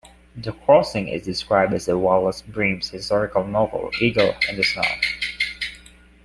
The crossing is described in Wallace Breem's historical novel Eagle in the Snow.